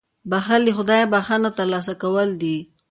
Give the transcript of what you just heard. • بښل له خدایه بښنه ترلاسه کول دي.